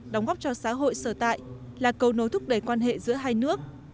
đóng góp cho xã hội sở tại là cầu nối thúc đẩy quan hệ giữa hai nước